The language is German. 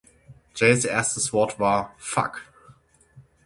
Jays erstes Wort war „Fuck“.